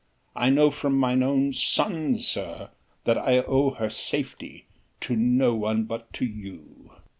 I know from mine own son, sir, that I owe her safety to no one but to you."